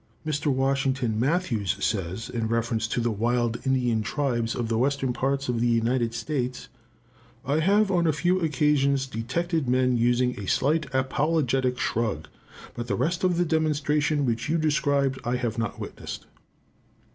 Mr. Washington Matthews says, in reference to the wild Indian tribes of the western parts of the United States, "I have on a few occasions detected men using a slight apologetic shrug, but the rest of the demonstration which you describe I have not witnessed."